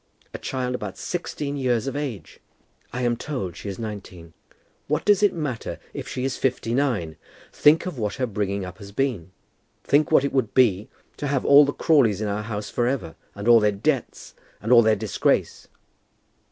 A child about sixteen years of age!" "I am told she is nineteen." "What does it matter if she was fifty nine? Think of what her bringing up has been. Think what it would be to have all the Crawleys in our house for ever, and all their debts, and all their disgrace!"